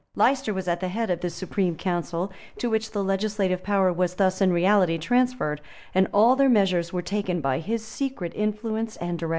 [] Leicester was at the head of this supreme council, to which the legislative power was thus in reality transferred; and all their measures were taken by his secret influence and direction.